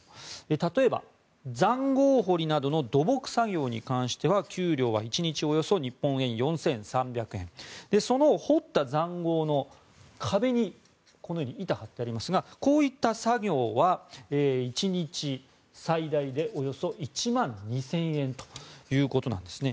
例えば、塹壕掘りなどの土木作業に関しては給料は１日およそ日本円で４３００円その掘った塹壕の壁にこのように板が張ってありますがこういった作業は１日最大でおよそ１万２０００円ということなんですね。